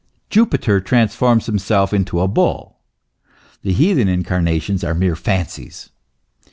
Jupiter transforms himself into a bull; the heathen incar nations are mere fancies.